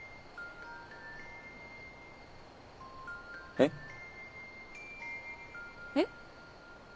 えっ？えっ？